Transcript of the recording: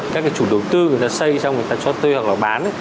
các cái chủ đầu tư người ta xây xong người ta cho thuê hoặc là bán